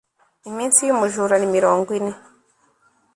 iminsi y'umujura ni mirongo ine